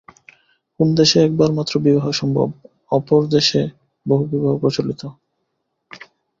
কোন দেশে একবার মাত্র বিবাহ সম্ভব, অপর দেশে বহুবিবাহ প্রচলিত।